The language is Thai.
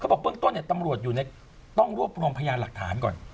เขาบอกเบื้องต้นตำรวจต้องรวบรวมพยาห์หลักฐานก่อน